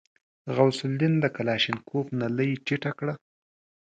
غوث الدين د کلاشينکوف نلۍ ټيټه کړه.